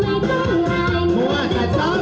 อย่าทำชับช้า